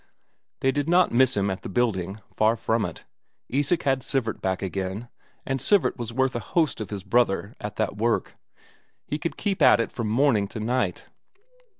They did not miss him at the building, far from it. Isak had Sivert back again, and Sivert was worth a host of his brother at that work; he could keep at it from morning to night.